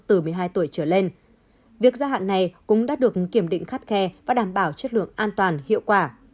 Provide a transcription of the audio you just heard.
từ một mươi hai tuổi trở lên việc gia hạn này cũng đã được kiểm định khắt khe và đảm bảo chất lượng an toàn hiệu quả